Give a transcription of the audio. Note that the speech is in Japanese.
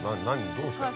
どうしたいの？